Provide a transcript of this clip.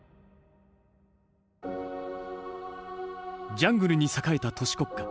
ジャングルに栄えた都市国家。